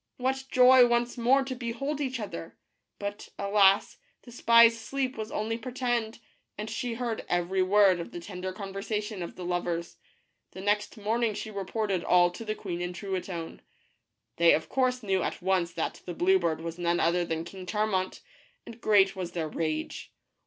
What joy once more to behold each other ! But, alas, the spy's sleep was only pretended, and she heard every word of the tender conversation of the lovers. The next morning she reported all to the queen and Truitonne. They of course knew at once that the blue bird was none other than King Charmant, and great was their rage.